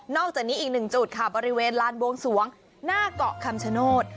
อกจากนี้อีกหนึ่งจุดค่ะบริเวณลานบวงสวงหน้าเกาะคำชโนธ